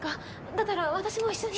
だったら私も一緒に。